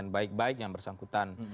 baik baik yang bersangkutan